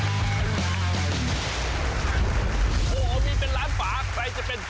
มาอีกมาอีก